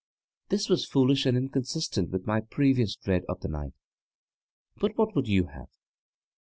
This was foolish and inconsistent with my previous dread of the light, but what would you have?